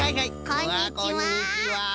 こんにちは。